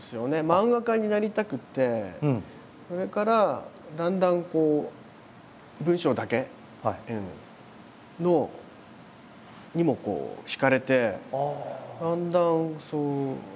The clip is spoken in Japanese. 漫画家になりたくってそれからだんだん文章だけのにも惹かれてだんだんそう！